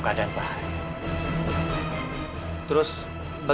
sudah tiba misalnya